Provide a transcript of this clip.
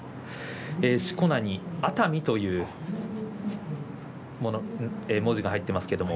しこ名に熱海という文字が入っています。